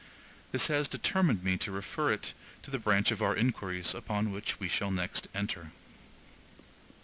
This has determined me to refer it to the branch of our inquiries upon which we shall next enter.)